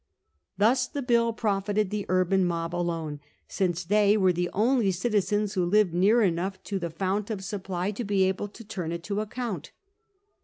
Thus the bill profited the urban mob alone, since they were the only citizens who lived near enough to the fount of supply to be able to turn it to account.